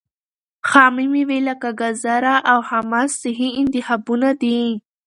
خامې مېوې لکه ګاځره او حمص صحي انتخابونه دي.